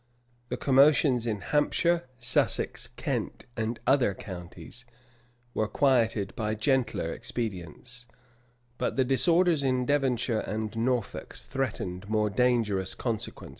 The commotions in Hampshire, Sussex, Kent, and other counties, were quieted by gentler expedients; but the disorders in Devonshire and Norfolk threatened more dangerous consequences.